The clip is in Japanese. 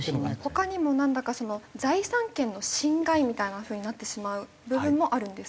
他にもなんだか財産権の侵害みたいな風になってしまう部分もあるんですか？